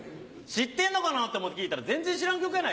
知ってんのかな？って思って聴いたら全然知らん曲やないか。